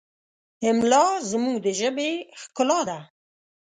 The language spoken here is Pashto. املا زموږ د ژبې ښکلا ده.